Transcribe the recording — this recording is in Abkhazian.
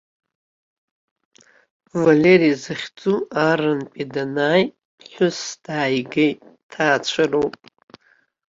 Валери захьӡу аррантәи данааи ԥҳәыс дааигеит, дҭаацәароуп.